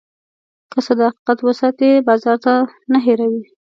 که صداقت وساتې، بازار تا نه هېروي.